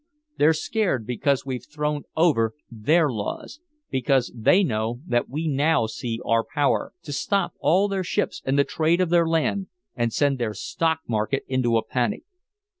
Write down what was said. They're scared because we've thrown over their laws because they know that we now see our power to stop all their ships and the trade of their land and send their stock market into a panic!